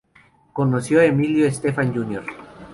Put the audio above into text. Conoció a Emilio Estefan Jr.